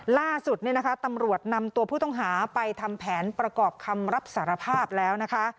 ล่าสุดเนี่ยนะคะตำรวจนำตัวผู้ต้องหาไปทำแผนประกอบคำรับสารภาพแล้วนะคะ